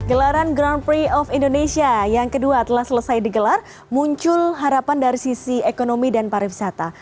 gelaran grand prix of indonesia yang kedua telah selesai digelar muncul harapan dari sisi ekonomi dan pariwisata